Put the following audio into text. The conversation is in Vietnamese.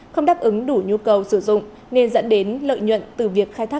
không đáp ứng đủ nhu cầu sử dụng nên dẫn đến lợi nhuận từ việc khai thác